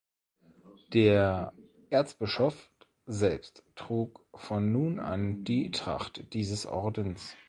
Der Erzbischof selbst trug von nun an die Tracht dieses Ordens.